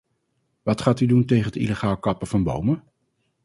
Wat gaat u doen tegen het illegaal kappen van bomen?